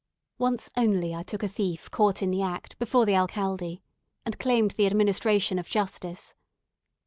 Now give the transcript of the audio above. Once only I took a thief caught in the act before the alcalde, and claimed the administration of justice.